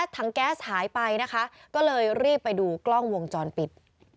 ถังแก๊สหายไปนะคะก็เลยรีบไปดูกล้องวงจรปิด